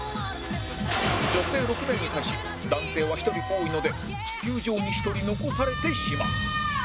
女性６名に対し男性は１人多いので地球上に１人残されてしまう